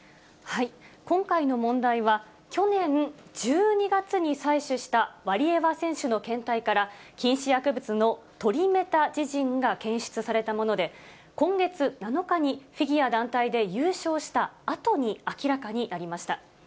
今回の問題は、去年１２月に採取したワリエワ選手の検体から、禁止薬物のトリメタジジンが検出されたもので、今月７日に、フィギュア団体で優勝したあとに、明らかになりました。